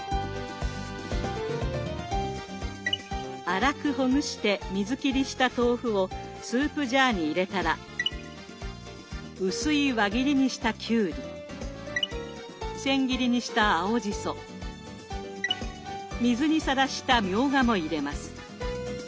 粗くほぐして水切りした豆腐をスープジャーに入れたら薄い輪切りにしたきゅうりせん切りにした青じそ水にさらしたみょうがも入れます。